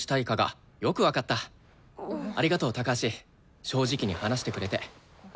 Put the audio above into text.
ありがとう高橋正直に話してくれて。